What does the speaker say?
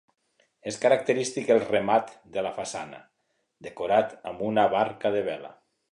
És característic el remat de la façana, decorat amb una barca de vela.